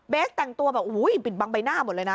แต่งตัวแบบอุ้ยปิดบังใบหน้าหมดเลยนะ